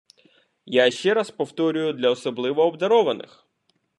Я ще раз повторюю для особливо обдарованих.